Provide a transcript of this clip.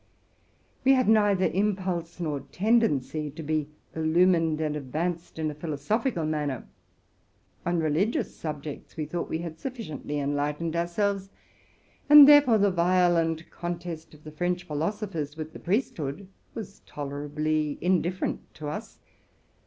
e had neither impulse nor tendency to be illumined and advaneed in a philosophical manner: on religious subjects f=] we thought we had sufliciently enlightened ourselves, and 86 TRUTH AND FICTION therefore the violent contest of the French philosophers with the priesthood was tolerably indifferent to us.